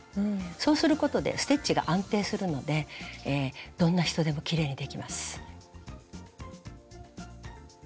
そうすることでステッチが安定するのでどんな人でもきれいにできます。